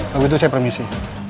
lalu itu saya permisi